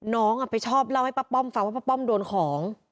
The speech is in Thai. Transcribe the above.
น้องไปชอบเล่าให้ป้าป้อมฟังว่าป้าป้อมโดนของ